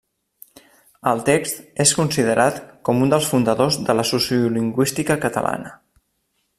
El text és considerat com un dels fundadors de la sociolingüística catalana.